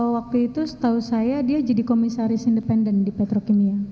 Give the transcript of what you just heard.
waktu itu setahu saya dia jadi komisaris independen di petrokimia